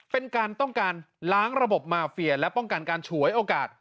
เป็นการต้องการล้างระบบมาเฟียและป้องกันการฉวยโอกาส